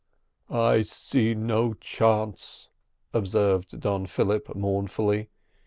"I see no chance," observed Don Philip mournfully.